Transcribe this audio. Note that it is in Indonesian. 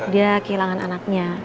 dia kehilangan anaknya